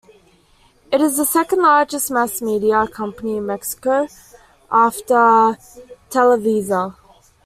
It is the second-largest mass media company in Mexico after Televisa.